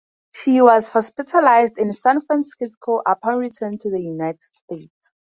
She was hospitalized in San Francisco upon return to the United States.